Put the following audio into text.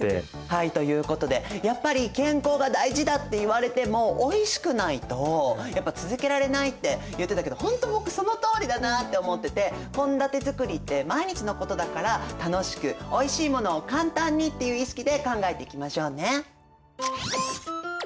はいということでやっぱり健康が大事だって言われてもおいしくないとやっぱ続けられないって言ってたけどほんと僕そのとおりだなって思ってて献立づくりって毎日のことだから楽しくおいしいものを簡単にっていう意識で考えていきましょうね。